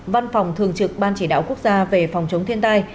văn phòng thường trực ban chỉ đạo quốc gia về phòng chống thiên tai